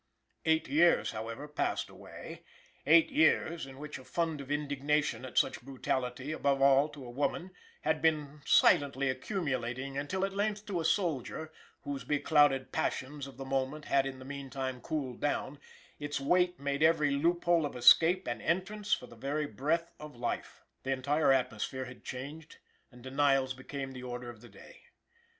Eight years, however, passed away eight years, in which a fund of indignation at such brutality, above all to a woman, had been silently accumulating, until at length to a soldier, whose beclouding passions of the moment had in the meantime cooled down, its weight made every loop hole of escape an entrance for the very breath of life. The entire atmosphere had changed, and denials became the order of the day.